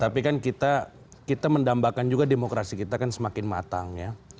tapi kan kita mendambakan juga demokrasi kita kan semakin matang ya